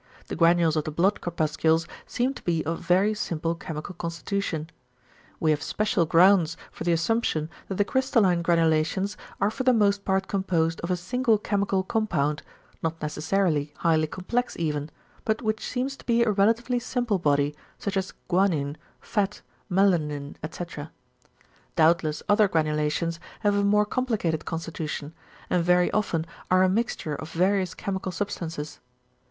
The granules of the blood corpuscles seem to be of very simple chemical constitution. We have special grounds for the assumption that the crystalline granulations are for the most part composed of a single chemical compound, not necessarily highly complex even, but which seems to be a relatively simple body such as guanin, fat, melanin, etc. Doubtless other granulations have a more complicated constitution, and very often are a mixture of various chemical substances.